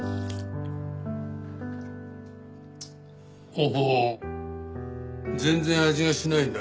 ほほう全然味がしないんだけど。